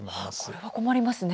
これは困りますね。